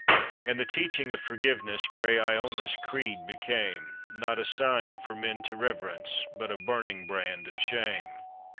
And the teaching of forgiveness Grey lona's creed became, Not a sign for men to reverence, But a burning brand of shame.